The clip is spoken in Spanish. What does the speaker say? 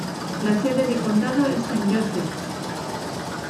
La sede de condado es Saint Joseph.